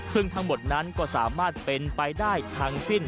ซึ่งทั้งหมดนั้นก็สามารถเป็นไปได้ทั้งสิ้น